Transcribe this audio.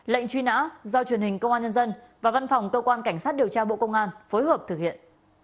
lệnh truy nã do truyền hình công an nhân dân và văn phòng cơ quan cảnh sát điều tra bộ công an phối hợp thực hiện